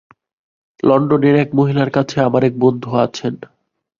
লণ্ডনের এক মহিলার কাছে আমার এক বন্ধু আছেন।